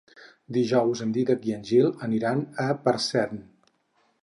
Dijous en Dídac i en Gil aniran a Parcent.